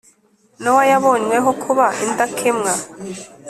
Nowa yabonyweho kuba indakemwa